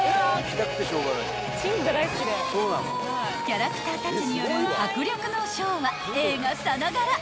［キャラクターたちによる迫力のショーは映画さながら］